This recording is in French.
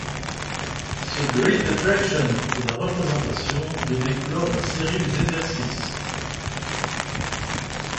Ce « great attraction » de la représentation devait clore la série des exercices.